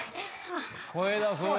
声出そう。